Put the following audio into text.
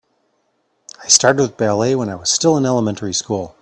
I started with ballet when I was still in elementary school.